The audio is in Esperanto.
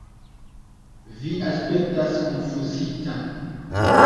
Vi aspektas konfuzita.